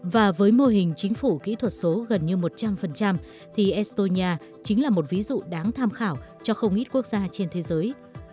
và với mô hình chính phủ kỹ thuật số gần như một trăm linh thì estonia chính là một ví dụ đáng tham khảo cho không ít quốc gia trên thế giới